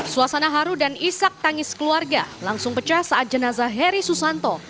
suasana haru dan isak tangis keluarga langsung pecah saat jenazah heri susanto